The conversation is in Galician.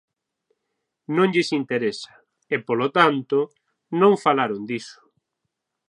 Non lles interesa e, polo tanto, non falaron diso.